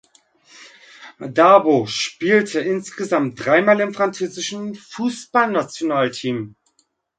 Dabo spielte insgesamt dreimal im französischen Fußballnationalteam.